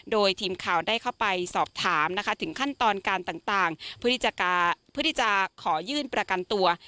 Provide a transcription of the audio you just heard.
โดยทีมข่าวได้เข้าไปสอบถามนะคะถึงขั้นตอนการต่างเพื่อที่จะขอยื่นประกันตัว